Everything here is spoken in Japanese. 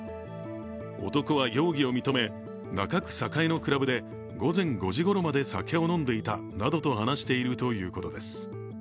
男は容疑を認め、中区栄のクラブで午前５時ごろまで酒を飲んでいたなどと話しているということです。